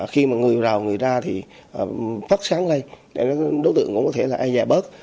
khi mà người vào người ra thì phát sáng lên để đối tượng cũng có thể dài bớt